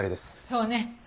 そうね。